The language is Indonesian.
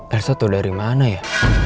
elsa tuh dari mana ya